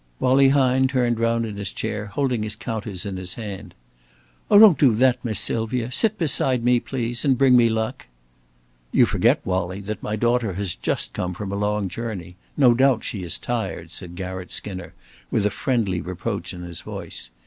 Wallie Hine turned round in his chair, holding his counters in his hand. "Oh, don't do that, Miss Sylvia. Sit beside me, please, and bring me luck." "You forget, Wallie, that my daughter has just come from a long journey. No doubt she is tired," said Garratt Skinner, with a friendly reproach in his voice.